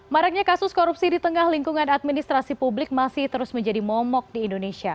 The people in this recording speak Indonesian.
maraknya kasus korupsi di tengah lingkungan administrasi publik masih terus menjadi momok di indonesia